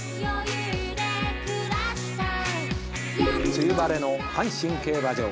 「梅雨晴れの阪神競馬場」